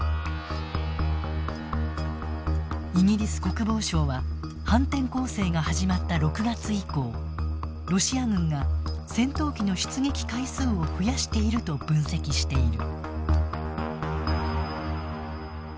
イギリス国防省は反転攻勢が始まった６月以降ロシア軍が戦闘機の出撃回数を増やしていると分析している。